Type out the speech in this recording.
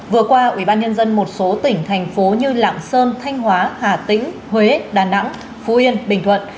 vừa qua ubnd một số tỉnh thành phố như lạng sơn thanh hóa hà tĩnh huế đà nẵng phú yên bình thuận